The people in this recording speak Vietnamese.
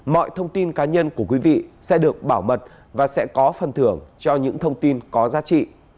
mọi thông tin cá nhân của quý vị sẽ được bảo mật và sẽ có phần thưởng cho những thông tin có giá trị